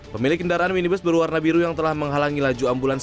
pemilik kendaraan minibus berwarna biru yang telah menghalangi laju ambulans